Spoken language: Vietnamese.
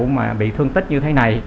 mà bị thương tích như thế này